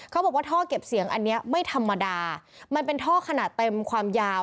เขาบอกว่าท่อเก็บเสียงอันนี้ไม่ธรรมดามันเป็นท่อขนาดเต็มความยาว